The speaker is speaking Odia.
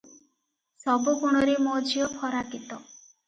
ସବୁ ଗୁଣରେ ମୋ ଝିଅ ଫରାକିତ ।